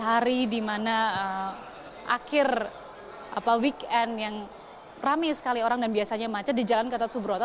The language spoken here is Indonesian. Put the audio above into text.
hari dimana akhir weekend yang rame sekali orang dan biasanya macet di jalan ke totsuburoto